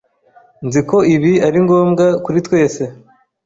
Nzi ko ibi ari ngombwa kuri twese.